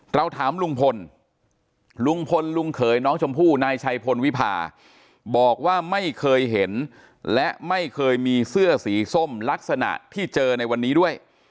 เราถามลุงพลลุงพลลุงเขยน้องชมพู่นายชัยพลวิพาบอกว่าไม่เคยเห็นและไม่เคยมีเสื้อสีส้มลักษณะที่เจอในวันนี้ด้วย